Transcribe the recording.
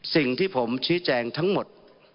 สิ่งที่ผมชี้แจงทั้งหมด